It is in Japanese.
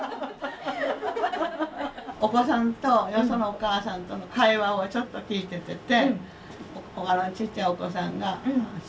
お子さんとよそのお母さんとの会話をちょっと聞いててちっちゃいお子さんが小学低学年ぐらいでしょうか